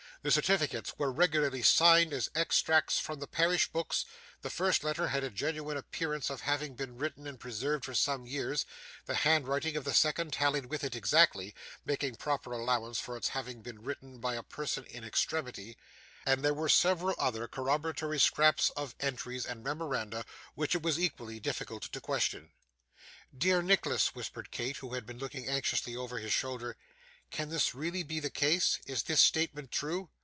The certificates were regularly signed as extracts from the parish books, the first letter had a genuine appearance of having been written and preserved for some years, the handwriting of the second tallied with it exactly, (making proper allowance for its having been written by a person in extremity,) and there were several other corroboratory scraps of entries and memoranda which it was equally difficult to question. 'Dear Nicholas,' whispered Kate, who had been looking anxiously over his shoulder, 'can this be really the case? Is this statement true?